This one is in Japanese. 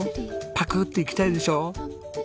パクッていきたいでしょ？